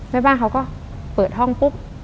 แม่บ้านเขาก็เปิดห้องปุ๊บ